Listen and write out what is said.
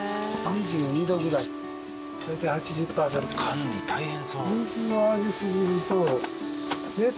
管理大変そう。